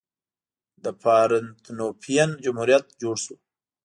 د پارتنوپین جمهوریت جوړ شو.